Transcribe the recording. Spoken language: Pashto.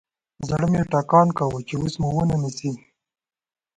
زړه مې ټکان کاوه چې اوس ومو نه نيسي.